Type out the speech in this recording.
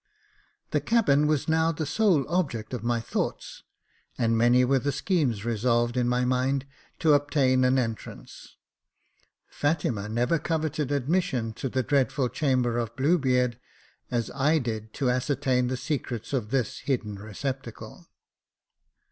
The cabin was now the sole object of my thoughts, and many were the schemes resolved in my mind to obtain an entrance. Fatima never coveted admission to the dreadful chamber of Bluebeard, as I did to ascertain the secrets of 62 Jacob Faithful this hidden receptacle.